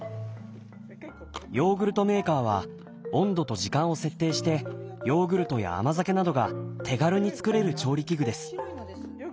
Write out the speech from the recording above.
ヨーグルトメーカーは温度と時間を設定してヨーグルトや甘酒などが手軽につくれる調理器具です。